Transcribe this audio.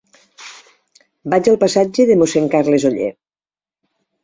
Vaig al passatge de Mossèn Carles Oller.